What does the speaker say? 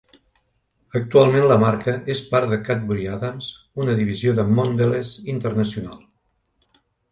Actualment la marca és part de Cadbury Adams, una divisió de Mondelez International.